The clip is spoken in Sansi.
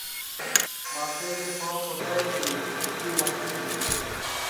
ٻاکرے کے پانٚؤ پکائے تیے ھانٚڈی لاگی گی